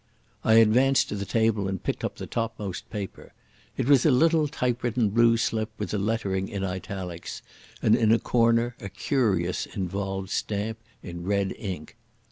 I advanced to the table and picked up the topmost paper. It was a little typewritten blue slip with the lettering in italics, and in a corner a curious, involved stamp in red ink.